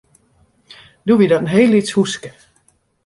Doe wie dat in heel lyts húske.